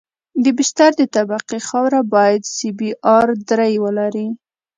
د بستر د طبقې خاوره باید سی بي ار درې ولري